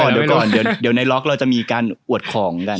เดี๋ยวก่อนเดี๋ยวในล็อกเราจะมีการอวดของกัน